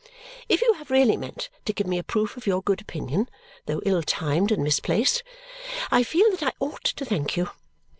If you have really meant to give me a proof of your good opinion, though ill timed and misplaced, I feel that I ought to thank you.